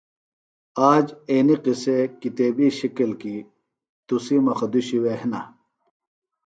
آج اینیۡ قِصے کتیبیۡ شِکل کیۡ تُسی مخدوشیۡ وے ہِنہ